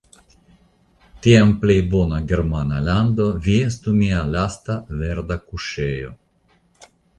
Tiam plej bona germana lando vi estu mia lasta verda kuŝejo.